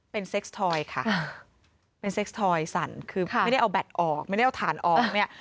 เป็นเซ็กสทอยค่ะเป็นเคสทอยสั่นคือไม่ได้เอาแบตออกไม่ได้เอาถ่านออกเนี่ย